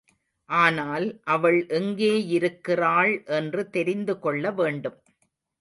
ஆனால், அவள் எங்கேயிருக்கிறாள் என்று தெரிந்து கொள்ள வேண்டும்.